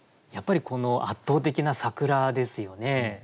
やっぱりこの圧倒的な桜ですよね。